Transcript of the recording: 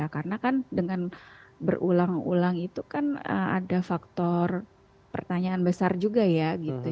karena kan dengan berulang ulang itu kan ada faktor pertanyaan besar juga ya